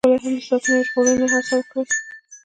پخپله یې هم د ساتنې او ژغورنې هڅه وکړي.